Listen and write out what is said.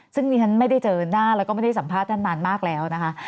ซึ่งดิฉันไม่ได้เจอหน้าแล้วก็ไม่ได้สัมภาษณ์นานมากแล้วนะคะ